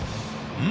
うん？